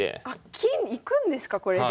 金いくんですかこれで！